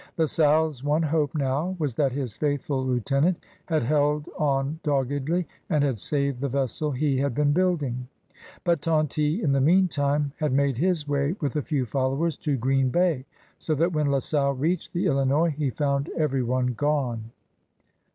La Salle's one hope now was that his faithful lieu tenant had held on doggedly and had saved the vessel he had been building. But Tonty in the meantime had made his way with a few followers to Green Bay, so that when La Salle reached the Illinois he foimd everyone gone.